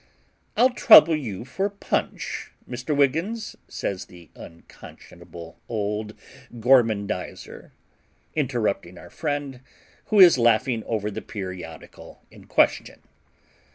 'I'll trouble you for PUNCH, Mr. Wiggins' says the unconscionable old gormandiser, interrupting our friend, who is laughing over the periodical in question.